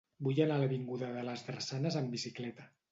Vull anar a l'avinguda de les Drassanes amb bicicleta.